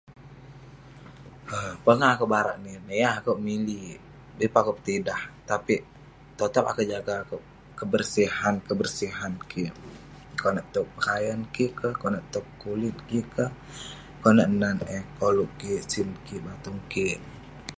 Pongah akouk barak niik nek, yeng akouk milik..yeng pun akouk petidah tapik totap akouk jaga akouk, kebersihan kebersihan kik, konak towk pakaian kik kah, konak towk kulit kik kah..konak nat eh koluk kik, sin kik, batung kik..